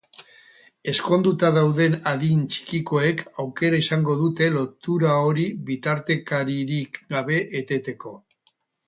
Ezkonduta dauden adin txikikoek aukera izango dute lotura hori bitartekaririk gabe eteteko.